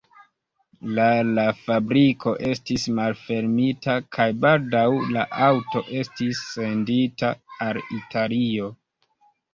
La la fabriko estis malfermita kaj baldaŭ la aŭto estis sendita al Italio.